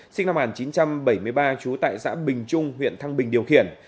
sinh năm một nghìn chín trăm bảy mươi ba trú tại xã bình trung huyện thăng bình điều khiển